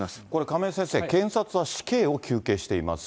亀井先生、検察は死刑を求刑しています。